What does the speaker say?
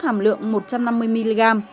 hàm lượng một trăm năm mươi mg